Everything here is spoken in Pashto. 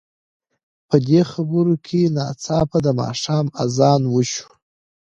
په دې خبرو کې ناڅاپه د ماښام اذان وشو.